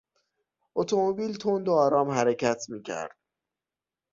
اتومبیل تند و آرام حرکت میکرد.